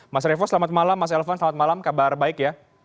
mas revo selamat malam mas elvan selamat malam kabar baik ya